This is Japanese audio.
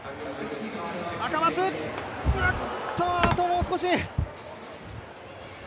あともう少し。